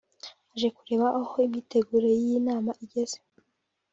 aje kureba aho imyiteguro y’iyi nama igeze